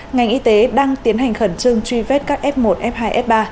ngành y tế đang tiến hành khẩn trương truy vết các f một f hai f ba